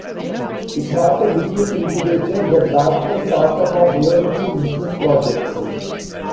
It has a business incubator that backs the startup of innovative business projects.